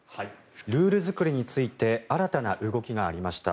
ルール作りについて新たな動きがありました。